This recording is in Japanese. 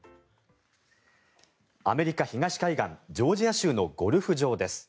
アメリカ東海岸ジョージア州のゴルフ場です。